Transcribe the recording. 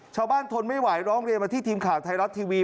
ทนไม่ไหวร้องเรียนมาที่ทีมข่าวไทยรัฐทีวี